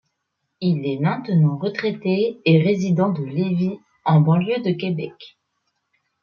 Il est maintenant retraité et résident de Lévis en banlieue de Québec.